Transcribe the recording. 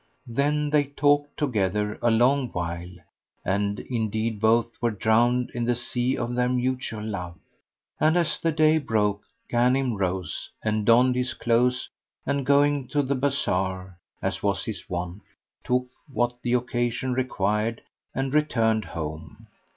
Then they talked together a long while (and indeed both were drowned in the sea of their mutual love); and, as the day broke, Ghanim rose and donned his clothes and going to the bazar, as was his wont, took what the occasion required and returned home.